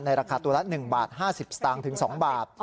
ราคาตัวละ๑บาท๕๐สตางค์ถึง๒บาท